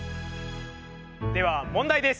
では問題です。